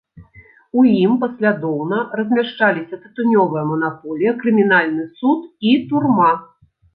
У ім паслядоўна размяшчаліся тытунёвая манаполія, крымінальны суд і турма.